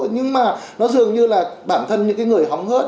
nhưng mà nó dường như là bản thân những cái người hóng hớt